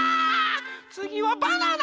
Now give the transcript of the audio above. つぎはバナナ。